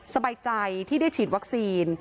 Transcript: สบายใจที่ได้ฉีดวัคซีน